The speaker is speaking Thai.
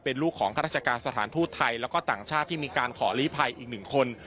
เป็นลูกของข้าราชการสถานทูตไทยแล้วก็ต่างชาติที่มีการขอลีภัยอีกหนึ่งคน